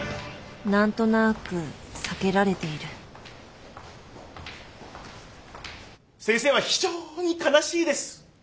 何となく避けられている先生は非常に悲しいです。